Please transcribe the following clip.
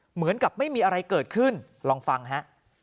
เหมือนกับไม่มีอะไรเกิดขึ้นลองฟังฮะ